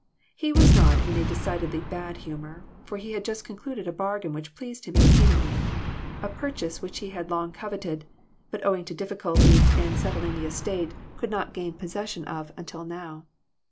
He was not in a decidedly bad humor, for he had just concluded a bargain which pleased him exceedingly a purchase which he had long coveted, but owing to difficulties in settling the 334 FANATICISM. estate, could not gain possession of until now.